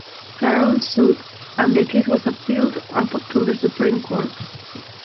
Sharron sued, and the case was appealed up to the Supreme Court.